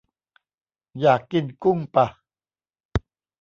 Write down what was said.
อยากกินกุ้งปะ